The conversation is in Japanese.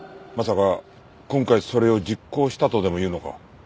まさか今回それを実行したとでも言うのか？